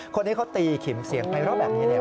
คนที่เขาตีขิมเสียงไอรอบแบบนี้เนี่ย